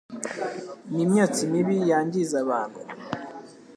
n'imyotsi mibi yangiza abantu